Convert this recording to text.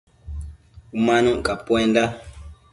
Umanuc capuenda